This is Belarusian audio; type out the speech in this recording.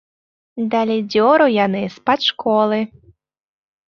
Далі дзёру яны з-пад школы.